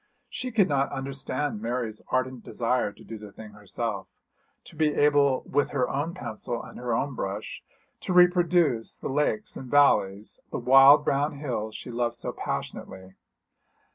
She could not understand Mary's ardent desire to do the thing herself, to be able with her own pencil and her own brush to reproduce the lakes and valleys, the wild brown hills she loved so passionately.